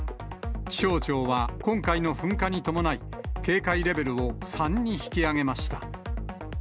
気象庁は今回の噴火に伴い、警戒レベルを３に引き上げました。